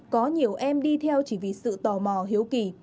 có nhiều em đi theo chỉ vì sự tò mò hiếu kỳ